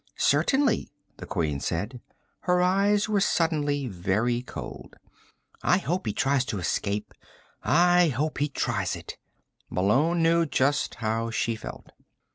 "Certainly," the Queen said. Her eyes were suddenly very cold. "I hope he tries to escape. I hope he tries it." Malone knew just how she felt.